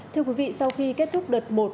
thưa quý vị sau khi kết thúc đợt một